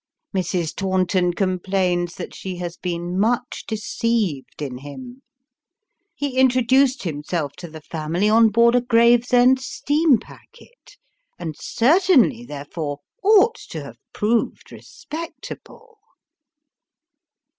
Mrs. Taunton complains that she has been much deceived in him. Ho introduced himself to the family on board a Gravesend steam packet, and certainly, therefore, ought to have proved respectable.